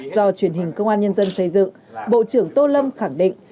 do truyền hình công an nhân dân xây dựng bộ trưởng tô lâm khẳng định